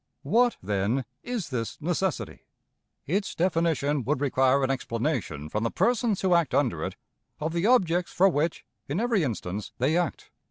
What, then, is this necessity? Its definition would require an explanation, from the persons who act under it, of the objects for which, in every instance, they act.